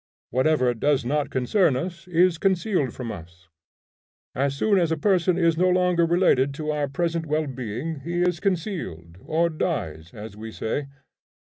Whatever does not concern us is concealed from us. As soon as a person is no longer related to our present well being, he is concealed, or dies, as we say.